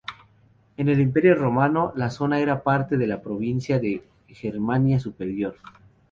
En el Imperio Romano, la zona era parte de la provincia de Germania Superior.